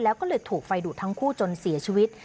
แล้วก็เลยถูกไฟดูดทั้งคู่จนเสียชีวิต